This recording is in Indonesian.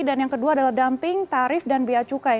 dan yang kedua adalah dumping tarif dan biaya cukai